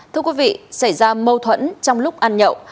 thưa quý vị xảy ra mâu thuẫn trong lúc ăn nhậu